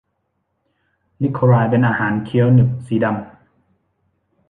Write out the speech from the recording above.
ลิโคไรซ์เป็นอาหารเคี้ยวหนึบสีดำ